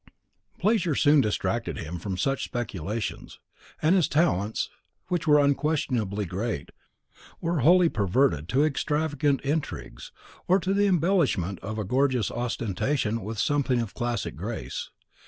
Pleasure soon distracted him from such speculations, and his talents, which were unquestionably great, were wholly perverted to extravagant intrigues, or to the embellishment of a gorgeous ostentation with something of classic grace.